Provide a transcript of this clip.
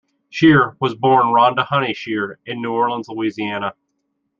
Shear was born Rhonda Honey Shear in New Orleans, Louisiana.